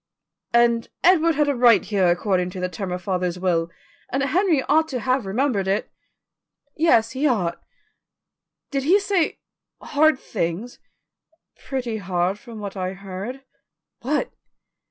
"And Edward had a right here according to the terms of father's will, and Henry ought to have remembered it." "Yes, he ought." "Did he say hard things?" "Pretty hard from what I heard." "What?"